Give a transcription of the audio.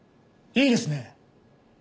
いいですね？